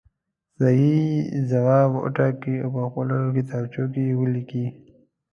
صحیح ځواب وټاکئ او په خپلو کتابچو کې یې ولیکئ.